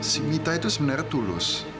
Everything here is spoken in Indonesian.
si wita itu sebenarnya tulus